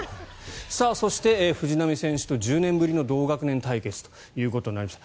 そして、藤浪選手と１０年ぶりの同学年対決となりました。